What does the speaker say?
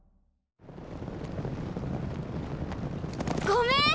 ごめん！